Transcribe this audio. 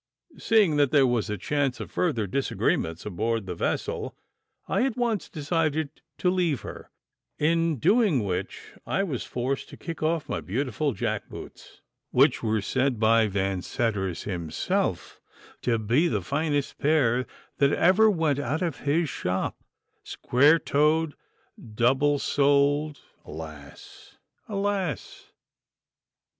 Seeing that there was a chance of further disagreements aboard the vessel, I at once decided to leave her, in doing which I was forced to kick off my beautiful jack boots, which were said by Vanseddars himself to be he finest pair that ever went out of his shop, square toed, double soled alas! alas!